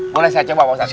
boleh saya coba pak ustadz